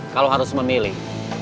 kalau harus memilih